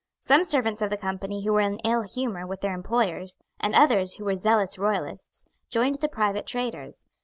Some servants of the Company who were in ill humour with their employers, and others who were zealous royalists, joined the private traders.